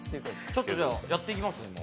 ちょっとじゃあやっていきますね。